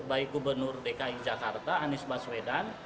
baik gubernur dki jakarta anies baswedan